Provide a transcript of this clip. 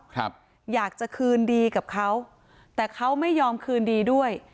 ครับอยากจะคืนดีกับเขาแต่เขาไม่ยอมคืนดีด้วย